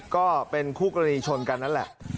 ก็เป็นคู่กรณีชนกันนั่นแหละ